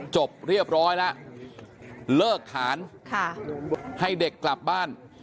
จบเรียบร้อยแล้วเลิกฐานให้เด็กกลับบ้าน